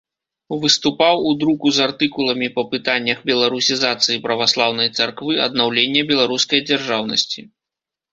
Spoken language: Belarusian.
Выступаў у друку з артыкуламі па пытаннях беларусізацыі праваслаўнай царквы, аднаўлення беларускай дзяржаўнасці.